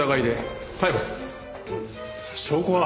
証拠は？